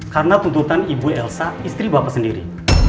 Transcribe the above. karena tuntutan ibu elsa istri bapak sendiri